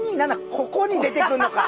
ここに出てくんのか！